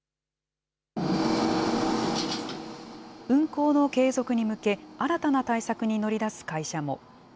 運行の継続に向け、新たな対策に乗り出す会社も。